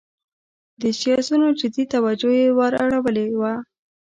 د سیاسینو جدي توجه یې وراړولې وه.